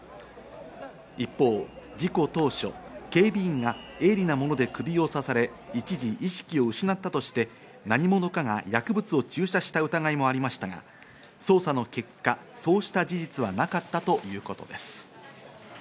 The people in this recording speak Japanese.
一方、事故当初、警備員が鋭利なもので首を刺され一時意識を失ったとして、何者かが薬物を注射した疑いもありましたが、捜査の結果、そうした事実はなかったということです。